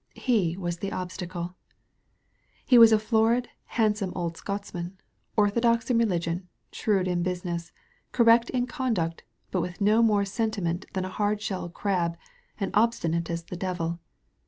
He was the Obstacle. He was a florid, handsome old Scotchman, or thodox in religion, shrewd in business, correct in conduct, but with no more sentiment than a hard shell crab, and obstinate as the devil.